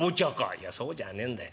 「いやそうじゃねんだい。